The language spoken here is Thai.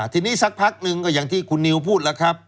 ทีนี้สักพักหนึ่งก็อย่างที่คุณนิวพูดแล้วครับ